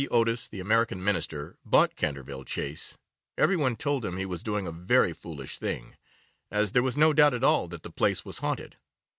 Otis, the American Minister, bought Canterville Chase, every one told him he was doing a very foolish thing, as there was no doubt at all that the place was haunted.